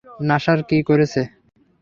নাসার কী করছে?